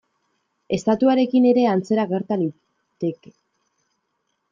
Estatuarekin ere antzera gerta liteke.